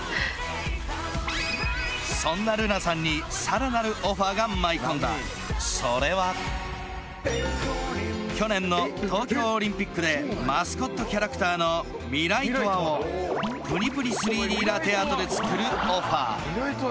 そんな瑠菜さんにさらなるオファーが舞い込んだそれは去年の東京オリンピックでマスコットキャラクターのミライトワをプニプニ３Ｄラテアートで作るオファー